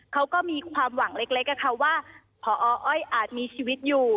เขาก็มีความหวังเล็กว่าพออ้อยอาจมีชีวิตอยู่